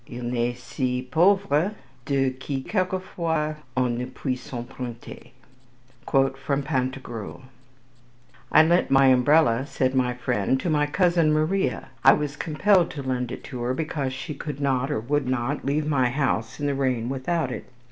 Il n'est si pauvre de qui quelquefois on ne puisse emprunter." Pantagruel. "I lent my umbrella," said my friend, "to my cousin, Maria. I was compelled to lend it to her because she could not, or would not, leave my house in the rain without it.